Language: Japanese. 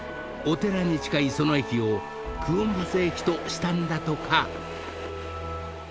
［お寺に近いその駅を九品仏駅としたんだとか］